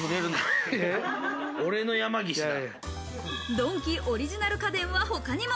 ドンキオリジナル家電は他にも。